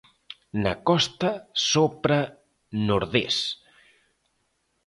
Na costa sopra nordés.